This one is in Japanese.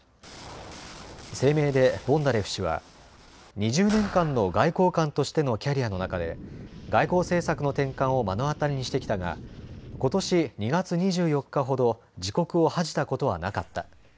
声明でボンダレフ氏は２０年間の外交官としてのキャリアの中で外交政策の転換を目の当たりにしてきたがことし２月２４日ほど自国を恥じたことはなかった。